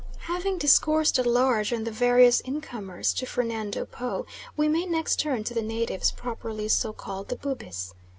Having discoursed at large on the various incomers to Fernando Po we may next turn to the natives, properly so called, the Bubis.